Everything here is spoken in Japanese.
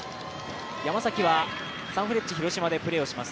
山崎はサンフレッチェ広島でプレーをします。